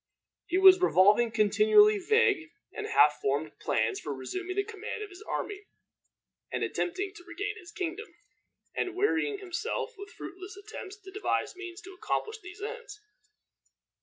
He was revolving continually vague and half formed plans for resuming the command of his army and attempting to regain his kingdom, and wearying himself with fruitless attempts to devise means to accomplish these ends.